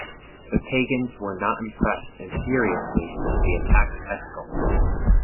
The pagans were not impressed and furiously, they attacked Eskil.